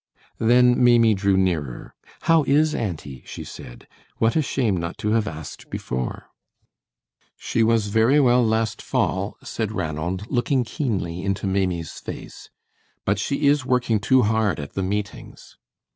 Then Maimie drew nearer. "How is auntie?" she said. "What a shame not to have asked before!" "She was very well last fall," said Ranald, looking keenly into Maimie's face; "but she is working too hard at the meetings."